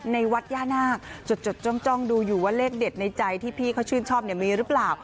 ในวัดย่านาคจดจ้องดูอยู่ว่าเลขเด็ดในใจที่พี่เขาชื่นชอบเนี่ยมีหรือเปล่า